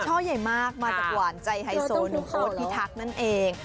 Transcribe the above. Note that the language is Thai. ช่อใหญ่มากมาจากหวานใจไฮโซหนูโค้ดพิทักษ์นั่นเอง